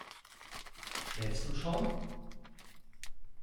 Schläfst du schon?